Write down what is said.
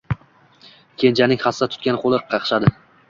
Kenjaning hassa tutgan qo‘li qaqshadi.